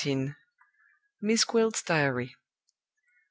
XIV. MISS GWILT'S DIARY.